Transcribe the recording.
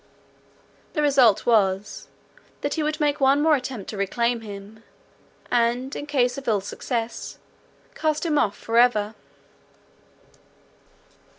The result was, that he would make one more attempt to reclaim him, and in case of ill success, cast him off for ever.